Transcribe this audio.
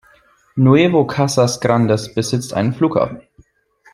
Nuevo Casas Grandes besitzt einen Flughafen.